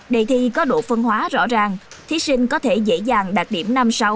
đề thi có độ phân hóa rõ ràng thí sinh có thể dễ dàng đạt điểm năm sáu